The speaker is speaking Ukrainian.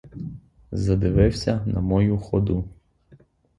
Задивився на мою ходу.